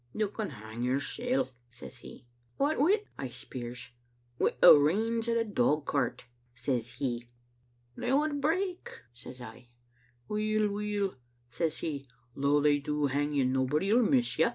' 'You can hang yoursel*,' says He. 'What wi'?' I speirs. *Wi' the reins o' the dogcart,' says He. 'They would break,' says I. 'Weel, weel,' says He, 'though they do hang you, nobody '11 miss you.'